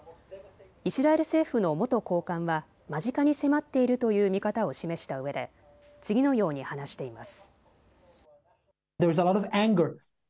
イスラエル政府の元高官は間近に迫っているという見方を示したうえで次のように話しています。